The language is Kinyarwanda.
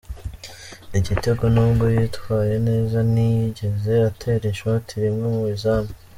igitego nubwo yitwaye neza ntiyigeze atera ishoti rimwe mu izamu.